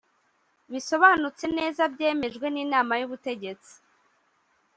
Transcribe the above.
bisobanutse neza byemejwe n inama y ubutegetsi